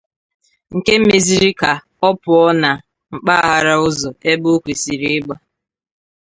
nke mezịrị ka ọ pụọ na mpaghara ụzọ ebe o kwesiri ịgba